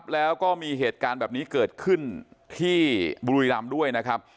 แล้วก็มีเหตุการณ์แบบนี้เกิดขึ้นที่บุรีรำด้วยนะครับ